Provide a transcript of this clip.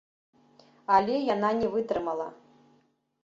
Але яна не вытрымала.